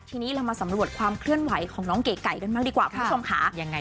ทีนี้เรามาสำรวจความเคลื่อนไหวของน้องเก๋ไก่กันบ้างดีกว่าคุณผู้ชมค่ะยังไง